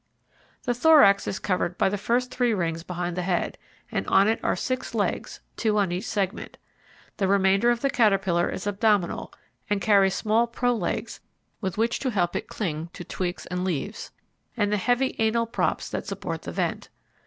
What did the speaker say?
The thorax is covered by the first three rings behind the head, and on it are six legs, two on each segment. The remainder of the caterpillar is abdominal and carries small pro legs with which to help it cling to twigs and leaves, and the heavy anal props that support the vent.